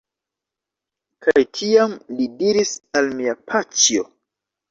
Kaj tiam li diris al mia paĉjo: